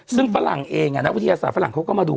ซึ่งฝรั่งเองนักวิทยาศาสตร์ฝรั่งเขาก็มาดู